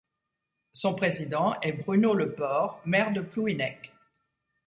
Son président est Bruno Le Port, maire de Plouhinec.